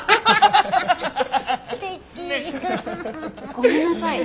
ごめんなさい。